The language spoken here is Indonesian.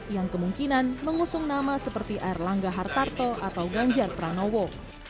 yang kemungkinan mengusung nama seperti air langga hartarto atau ganjar pranowo